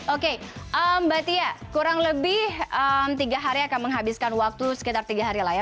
oke mbak tia kurang lebih tiga hari akan menghabiskan waktu sekitar tiga hari lah ya